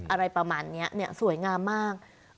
อะไรประมาณนี้สวยงามมาก